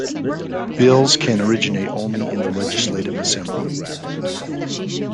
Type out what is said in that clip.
Bills can originate only in the Legislative Assembly.